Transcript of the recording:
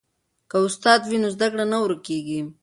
که استاد وي نو زده کړه نه ورکیږي.